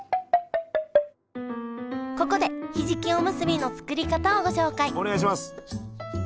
ここでひじきおむすびの作り方をご紹介お願いします。